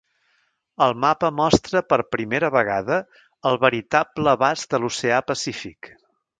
El mapa mostra, per primera vegada el veritable abast de l'Oceà Pacífic.